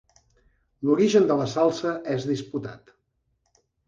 L'origen de la salsa és disputat.